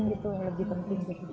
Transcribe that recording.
itu yang lebih penting